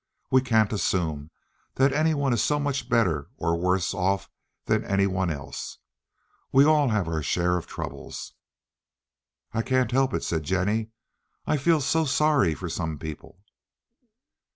We can't assume that any one is so much better or worse off than any one else. We all have our share of troubles." "I can't help it," said Jennie. "I feel so sorry for some people."